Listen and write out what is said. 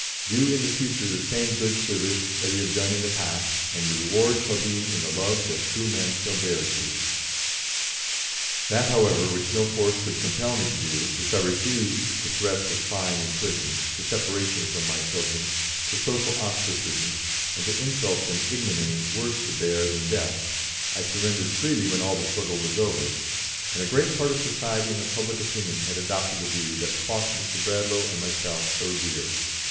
Do in the future the same good service that you have done in the past, and your reward shall be in the love that true men shall bear to you." That, however, which no force could compel me to do, which I refused to threats of fine and prison, to separation from my children, to social ostracism, and to insults and ignominy worse to bear than death, I surrendered freely when all the struggle was over, and a great part of society and of public opinion had adopted the view that cost Mr. Bradlaugh and myself so dear.